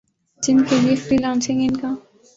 جن کے لیے فری لانسنگ ان کا